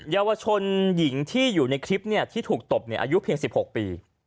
เยาวชนหญิงที่อยู่ในคลิปที่ถูกตบอายุเพียง๑๖ปี